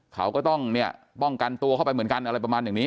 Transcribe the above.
เขาก็ต้องเนี่ยป้องกันตัวเข้าไปเหมือนกันอะไรประมาณอย่างนี้